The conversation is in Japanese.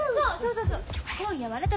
そうそう。